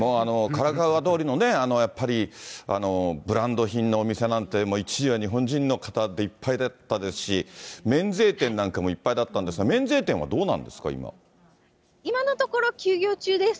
カラカウア通りのやっぱりブランド品のお店なんて、もう一時は日本人の方でいっぱいだったですし、免税店なんかもいっぱいだったんですが、今のところ、休業中です。